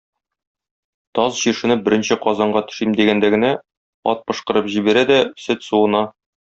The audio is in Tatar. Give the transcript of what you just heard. Таз, чишенеп, беренче казанга төшим дигәндә генә, ат пошкырып җибәрә, дә, сөт суына.